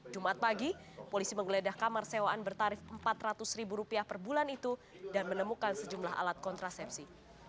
jumat pagi polisi menggeledah kamar sewaan bertarif empat ratus per bulan itu dan menemukan sejumlah alat kontrasepsi